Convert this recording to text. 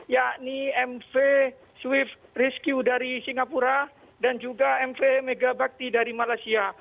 yakni mv swift rescue dari singapura dan juga mv megabakti dari malaysia